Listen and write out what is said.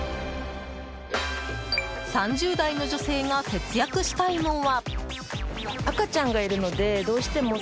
３０代の女性が節約したいのは。